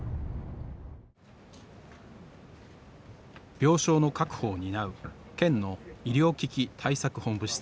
病床の確保を担う県の医療危機対策本部室。